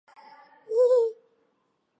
通过荧光原位杂交能够确认它们的存在。